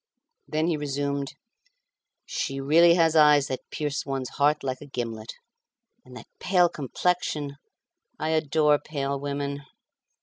Then he resumed, "She really has eyes that pierce one's heart like a gimlet. And that pale complexion! I adore pale women!"